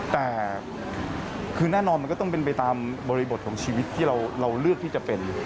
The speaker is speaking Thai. แต่คือแน่นอนมันก็ต้องเป็นไปตามบริบทของชีวิตที่เราเลือกที่จะเป็น